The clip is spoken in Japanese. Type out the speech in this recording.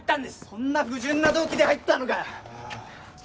そんな不純な動機で入ったのかよ！？